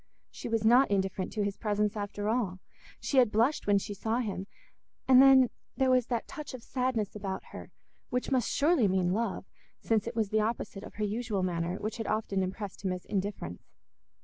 She was not indifferent to his presence after all; she had blushed when she saw him, and then there was that touch of sadness about her which must surely mean love, since it was the opposite of her usual manner, which had often impressed him as indifference.